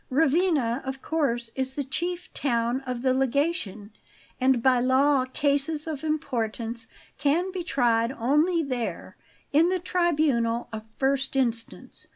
Ravenna, of course, is the chief town of the Legation and by law cases of importance can be tried only there, in the Tribunal of First Instance.